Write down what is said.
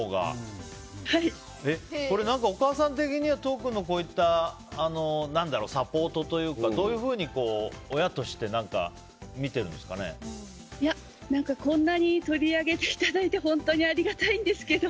お母さん的には都央君のこういったサポートというかどういうふうに親としてこんなに取り上げていただいて本当にありがたいんですけど。